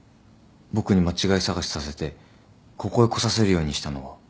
僕に間違い探しさせてここへ来させるようにしたのは。